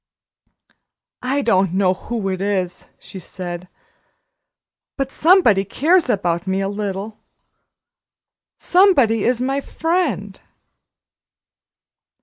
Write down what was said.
"I don't know who it is," she said, "but somebody cares about me a little somebody is my friend."